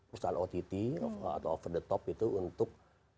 perusahaan ott atau over the top itu untuk